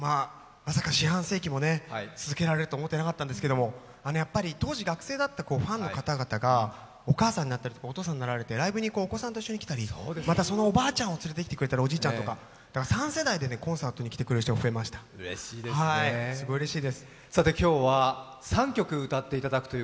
まさか四半世紀も続けられると思ってなかったんですけれどもやっぱり当時学生だったファンの方々がお母さんになられたりお父さんになられて、ライブにお子さんを連れてきてくれたりまたそのおばあちゃんを連れてきてくれたり、おじいちゃんとか３世代でコンサートに来てくれる人が増えました、今日は３曲、歌っていただきます。